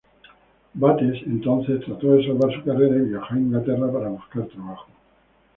Bates, entonces trató de salvar su carrera y viajó a Inglaterra para buscar trabajo.